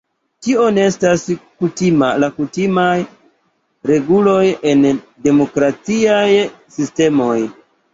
Tio ne estas la kutimaj reguloj en demokratiaj sistemoj.